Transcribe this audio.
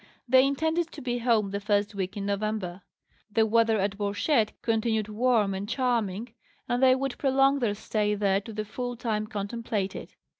They intended to be home the first week in November. The weather at Borcette continued warm and charming, and they would prolong their stay there to the full time contemplated.